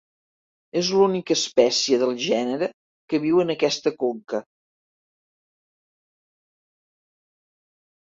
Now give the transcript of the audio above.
És l'única espècie del gènere que viu en aquesta conca.